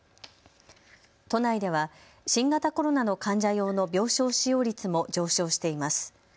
都内では新型コロナの患者用の病床使用率も上昇しています。